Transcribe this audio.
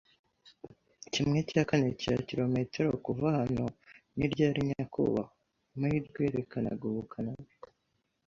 kimwe cya kane cya kilometero kuva hano. Ni ryari nyakubahwa o 'amahirwe yerekanaga ubukana bwe